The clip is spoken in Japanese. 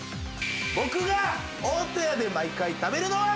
僕が大戸屋で毎回食べるのは。